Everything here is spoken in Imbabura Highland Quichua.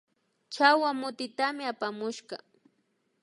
Chawa mutitami apamushka